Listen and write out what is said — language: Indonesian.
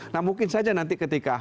nah mungkin saja nanti ketika